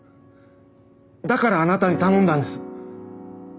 だからあなたに頼んだんです！